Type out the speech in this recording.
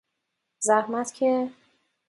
زحمت که...